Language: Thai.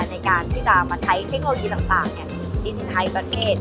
ในการที่จะมาใช้เอาเทคโนโลยีต่างเนี่ยที่สินไทยประเทศ